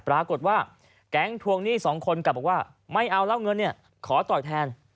ปรากฏว่าแก๊งทวงหนี้สองคนกลับบอกว่าไม่เอาแล้วเงินเนี่ยขอต่อยแทน